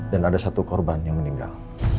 ada satu korban yang meninggal